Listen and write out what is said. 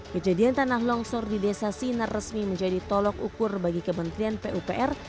kejadian tanah longsor di desa sinar resmi menjadi tolok ukur bagi kementerian pupr